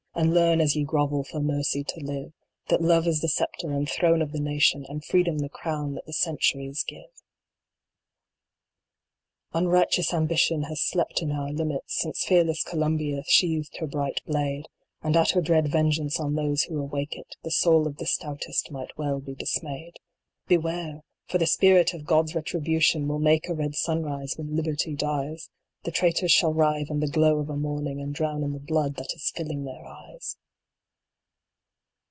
And learn, as ye grovel, for mercy to live, That Love is the Sceptre and Throne of the Nation, And Freedom the Crown that the centuries give 1 Unrighteous Ambition has slept in our limits Since fearless Columbia sheathed her bright blade : And at her dread Vengeance on those who awake it, The soul of the stoutest might well be dismayed. Beware ! for the spirit of God s Retribution Will make a red sunrise when Liberty dies ; The Traitors shall writhe in the glow of a morning, And drown in the blood that is filling their eyes